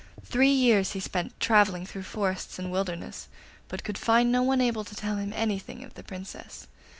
Three years he spent travelling through forests and wildernesses, but could find no one able to tell him anything of the Princess.